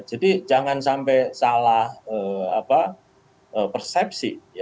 jadi jangan sampai salah persepsi